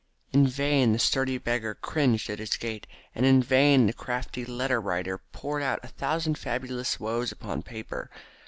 In vain the sturdy beggar cringed at his gate, and in vain the crafty letter writer poured out a thousand fabulous woes upon paper.